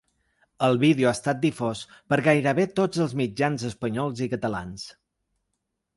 El vídeo ha estat difós per gairebé tots els mitjans espanyols i catalans.